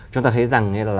chúng ta thấy rằng